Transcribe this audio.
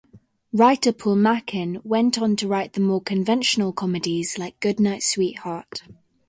Writer Paul Makin went on to write the more conventional comedies like "Goodnight Sweetheart".